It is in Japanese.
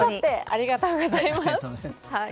ありがとうございます！